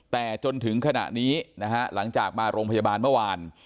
แต่จนถึงขณะนี้นะฮะหลังจากมาโรงพยาบาลเมื่อวาน